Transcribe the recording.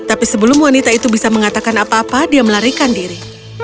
tapi sebelum wanita itu bisa mengatakan apa apa dia melarikan diri